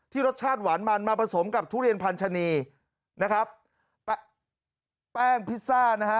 รสชาติหวานมันมาผสมกับทุเรียนพันธนีนะครับแป้งพิซซ่านะฮะ